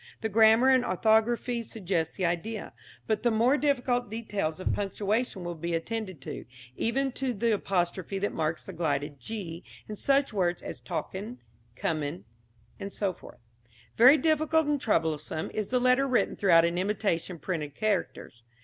The grammar and orthography suggest the idea, but the more difficult details of punctuation will be attended to, even to the apostrophe that marks the elided g in such words as "talkin'," "comin'," &c. Very difficult and troublesome is the letter written throughout in imitation printed characters.